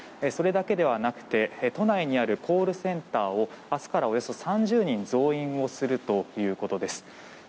それだけではなくて都内にあるコールセンターを明日からおよそ３０人増員するということです。